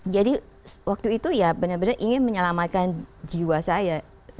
jadi waktu itu benar benar ingin menyelamatkan jiwa saya